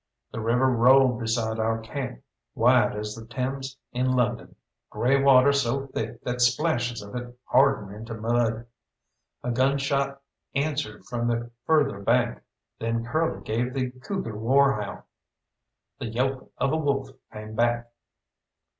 The river rolled beside our camp, wide as the Thames in London, grey water so thick that splashes of it harden into mud. A gunshot answered from the further bank, then Curly gave the cougar war howl. The yelp of a wolf came back.